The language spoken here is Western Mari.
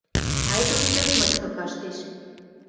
Айдуш пӧрт мычкы каштеш.